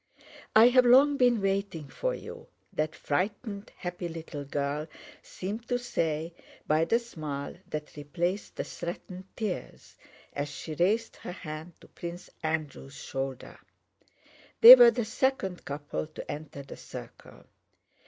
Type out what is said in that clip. "I have long been waiting for you," that frightened happy little girl seemed to say by the smile that replaced the threatened tears, as she raised her hand to Prince Andrew's shoulder. They were the second couple to enter the circle.